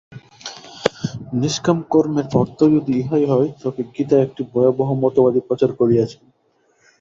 নিষ্কাম কর্মের অর্থ যদি ইহাই হয়, তবে গীতা একটি ভয়াবহ মতবাদই প্রচার করিয়াছেন।